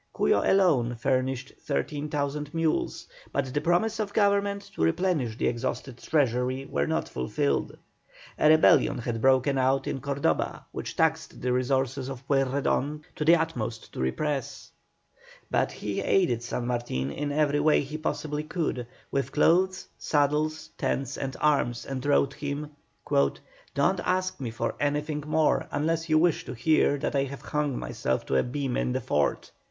Cuyo alone furnished 13,000 mules, but the promises of Government to replenish the exhausted treasury were not fulfilled. A rebellion had broken out in Cordoba which taxed the resources of Pueyrredon to the utmost to repress; but he aided San Martin in every way he possibly could, with clothes, saddles, tents, and arms, and wrote him: "Don't ask me for anything more unless you wish to hear that I have hung myself to a beam in the fort."